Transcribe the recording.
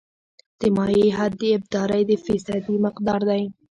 د مایع حد د ابدارۍ د فیصدي مقدار دی